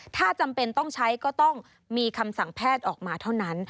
ถ้าจำเป็นต้องใช้ก็ต้องมีคำสั่งแพทย์ออกมาเท่านั้น